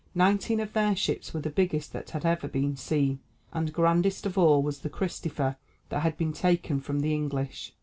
Nineteen of their ships were the biggest that had ever been seen, and grandest of all was the Christopher that had been taken from the English.